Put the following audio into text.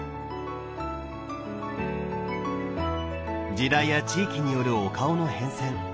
時代や地域によるお顔の変遷。